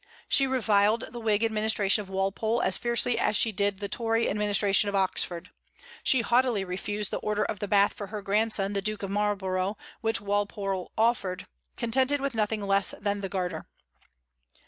She reviled the Whig administration of Walpole as fiercely as she did the Tory administration of Oxford. She haughtily refused the Order of the Bath for her grandson the Duke of Marlborough, which Walpole offered, contented with nothing less than the Garter.